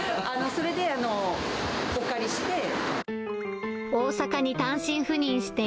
それでお借りして。